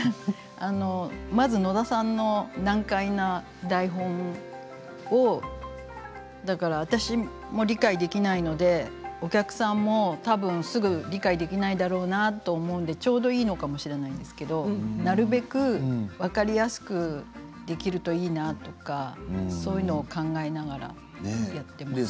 まず野田さんの難解な台本を私も理解できないのでお客さんも多分すぐ理解できないだろうなと思うので、ちょうどいいのかもしれないですけどなるべく分かりやすくできるといいなとかそういうのを考えながらやっています。